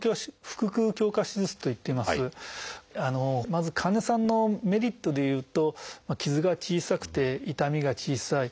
まず患者さんのメリットでいうと傷が小さくて痛みが小さい。